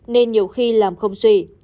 nên nhiều khi làm không suy